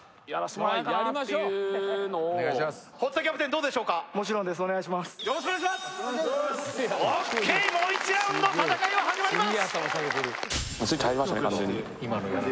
もう１ラウンド戦いは始まります